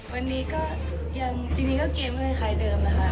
วันนี้ก็ยังจริงก็เกมกันเหมือนใครเดิมนะค่ะ